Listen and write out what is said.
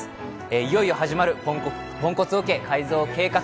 いよいよ始まるポンコツオケ改造計画。